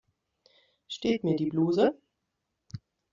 Steht mir die Bluse?